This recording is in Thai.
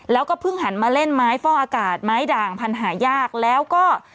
แล้วก็เพิ่งหันมาเล่นไม้ฟ่ออากาศไม้ด่างพันธุ์หายากแล้วก็